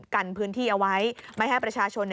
กันพื้นที่เอาไว้ไม่ให้ประชาชน